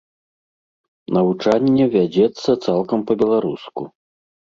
Навучанне вядзецца цалкам па-беларуску.